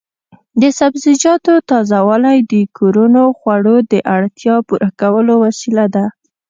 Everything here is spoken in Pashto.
د سبزیجاتو تازه والي د کورنیو خوړو د اړتیا پوره کولو وسیله ده.